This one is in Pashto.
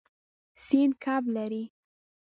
سیند کب لري.